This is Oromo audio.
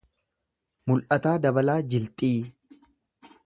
Mul’ataa Dabalaa Jilxii